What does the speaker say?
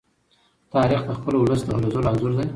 تاریخ د خپل ولس د هلو ځلو انځور دی.